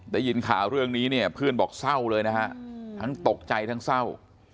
ได้ยินข่าวเรื่องนี้เนี่ยเพื่อนบอกเศร้าเลยนะฮะทั้งตกใจทั้งเศร้า